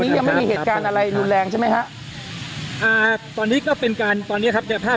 ทางกลุ่มมวลชนทะลุฟ้าทางกลุ่มมวลชนทะลุฟ้า